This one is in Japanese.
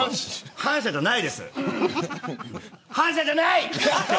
反社じゃない。